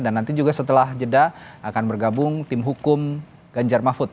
dan nanti juga setelah jeda akan bergabung tim hukum ganjar mahfud